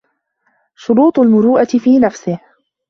شُرُوطُ الْمُرُوءَةِ فِي نَفْسِهِ